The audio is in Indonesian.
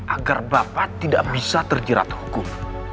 agar bapak tidak bisa terjerat hukum